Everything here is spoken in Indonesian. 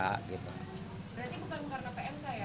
berarti bukan karena pm saya